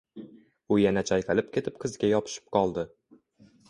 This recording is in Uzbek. U yana chayqalib ketib qizga yopishib qoldi